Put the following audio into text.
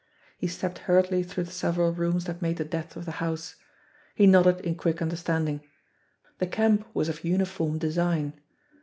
He stepped hurriedly through the several rooms that made the depth of the house. He nodded in quick understanding. The "camp" was of uniform de sign.